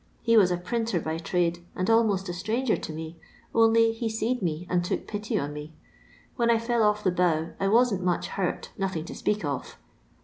He was a printer by trade, and almost a stranger to me, only he •eed me uid took pity on me. When I fell off the bough I wasn't much hurt, nothing to speak of.